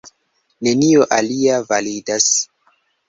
Nenio alia validas.